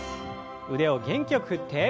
腕を元気よく振って。